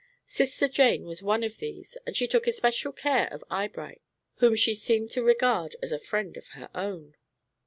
Sister Jane was one of these and she took especial care of Eyebright whom she seemed to regard as a friend of her own.